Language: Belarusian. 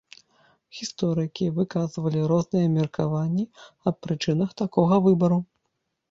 Гісторыкі выказвалі розныя меркаванні аб прычынах такога выбару.